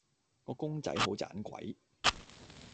個公仔好盞鬼